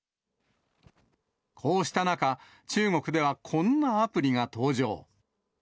こうした中、中国ではこんなアプリが登場。